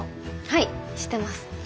はい知ってます。